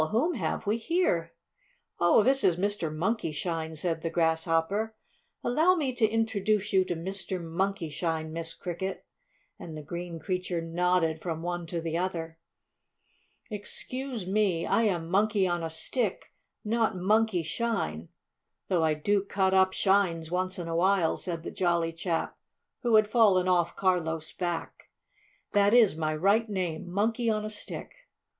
Whom have we here?" "Oh, this is Mr. Monkey Shine," said the Grasshopper. "Allow me to introduce you to Mr. Monkey Shine, Miss Cricket!" and the green creature nodded from one to the other. "Excuse me, I am Monkey on a Stick, not Monkey Shine, though I do cut up shines once in a while," said the jolly chap who had fallen off Carlo's back. "That is my right name Monkey on a Stick."